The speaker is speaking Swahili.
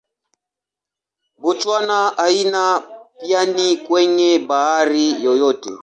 Botswana haina pwani kwenye bahari yoyote.